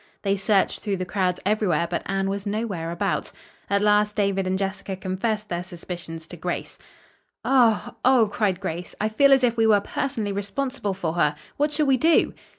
They searched through the crowds everywhere, but Anne was nowhere about. At last David and Jessica confessed their suspicions to Grace. "Oh, oh!" cried Grace, "I feel as if we were personally responsible for her! What shall we do?"